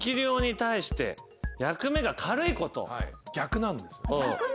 逆なんです。